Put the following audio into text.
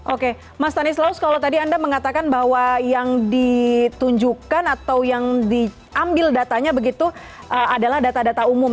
oke mas tanis laus kalau tadi anda mengatakan bahwa yang ditunjukkan atau yang diambil datanya begitu adalah data data umum